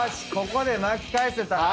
ここで巻き返せたら。